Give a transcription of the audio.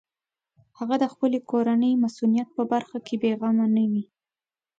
هغه د خپلې کورنۍ مصونیت په برخه کې بېغمه نه وي.